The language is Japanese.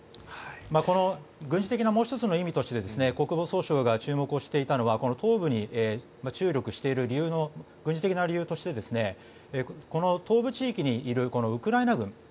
この軍事的なもう１つの意味として国防総省が注目していたのは東部に注力している軍事的な理由としてこの東部地域にいるウクライナ軍